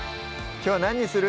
きょう何にする？